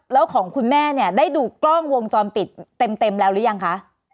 แล้วของคุณแม่เนี่ยได้ดูกล้องวงจรปิดเต็มแล้วหรือยังคะ